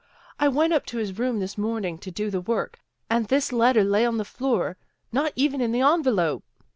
I went up to his room this morning to do the work and this letter lay on the floor, not even in the envelope."